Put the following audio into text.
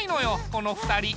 この２人。